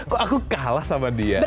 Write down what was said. kok aku kalah sama dia